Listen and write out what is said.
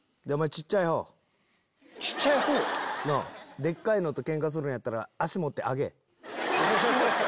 小っちゃい方⁉でかいのとケンカするんやったら足持って上げぇ。